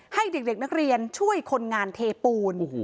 ให้เด็กนักเรียนช่วยคนงานเทปูน